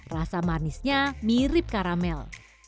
rasa manisnya mirip karamel